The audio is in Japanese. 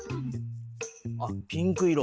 あっピンク色。